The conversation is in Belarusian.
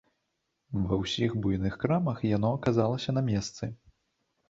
Ва ўсіх буйных крамах яно аказалася на месцы.